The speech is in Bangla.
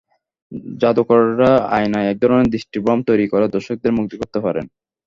জাদুকরেরা আয়নায় একধরনের দৃষ্টিভ্রম তৈরি করে দর্শকদের মুগ্ধ করতে পারেন।